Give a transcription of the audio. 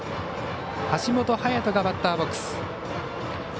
橋本隼がバッターボックス。